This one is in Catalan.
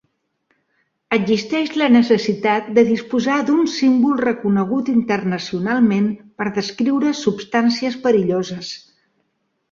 Existeix la necessitat de disposar d"un símbol reconegut internacionalment per descriure substàncies perilloses.